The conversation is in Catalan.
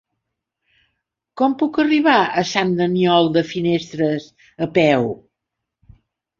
Com puc arribar a Sant Aniol de Finestres a peu?